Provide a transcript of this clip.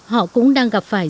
họ cũng đang gặp phải